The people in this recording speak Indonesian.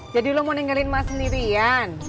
jadi lo mau ninggalin emak sendirian